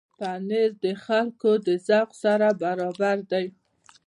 پنېر د خلکو د ذوق سره برابر دی.